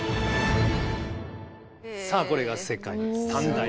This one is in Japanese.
さあこれが世界三大。